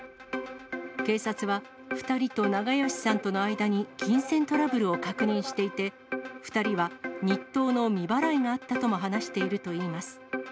警察は２人と長葭さんとの間に金銭トラブルを確認していて、２人は日当の未払いがあったとも話しているといいます。